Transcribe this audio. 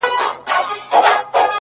قاضي صاحبه ملامت نه یم ـ بچي وږي وه ـ